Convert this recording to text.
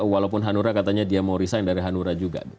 walaupun hanura katanya dia mau resign dari hanura juga